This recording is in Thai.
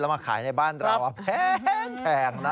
มาขายในบ้านเราแพงนะ